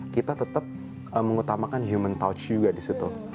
kita tetap mengutamakan human touch juga di situ